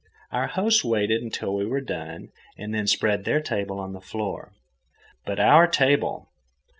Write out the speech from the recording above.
Our hosts waited until we were done and then spread their table on the floor. But our table!